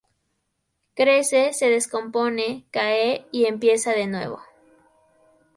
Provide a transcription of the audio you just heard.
Crece, se descompone, cae y empieza de nuevo.